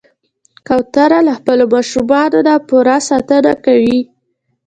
کوتره له خپلو ماشومانو نه پوره ساتنه کوي.